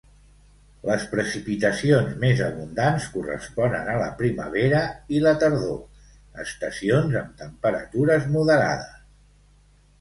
Les precipitacions més abundants corresponen a la primavera i la tardor, estacions amb temperatures moderades.